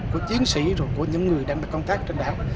của chiến sĩ rồi của những người đang công tác trên đảo